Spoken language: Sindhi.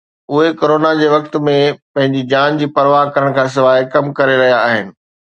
اهي ڪرونا جي وقت ۾ پنهنجي جان جي پرواهه ڪرڻ کان سواءِ ڪم ڪري رهيا آهن.